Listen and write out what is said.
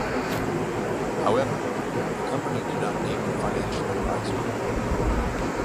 However, the company did not name the financial adviser.